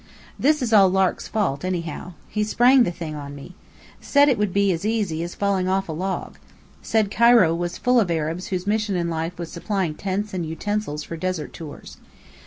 This is Lark's fault anyhow. He sprang the thing on me. Said it would be easy as falling off a log. Said Cairo was full of Arabs whose mission in life was supplying tents and utensils for desert tours.